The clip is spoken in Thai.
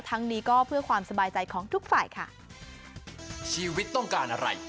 ทั้งนี้ก็เพื่อความสบายใจของทุกฝ่ายค่ะ